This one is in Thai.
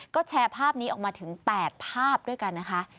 ก็แชร์ภาพนี้ออกมาถึง๘ภาพด้วยกันนะคะ